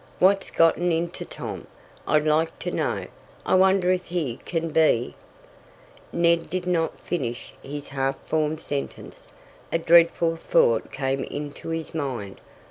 What's gotten into Tom, I'd like to know? I wonder if he can be " Ned did not finish his half formed sentence. A dreadful thought came into his mind.